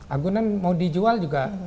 agunan mau dijual juga